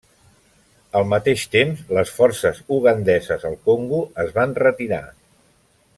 Al mateix temps les forces ugandeses al Congo es van retirar.